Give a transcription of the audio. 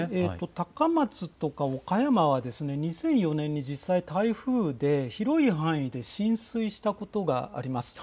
高松とか岡山は２００４年に実際、台風で広い範囲で浸水したことがあります。